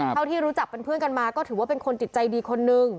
เท่าที่รู้จักเป็นเพื่อนกันมาก็ถือว่าเป็นคนจิตใจดีคนนึง